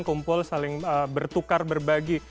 kumpul saling bertukar berbagi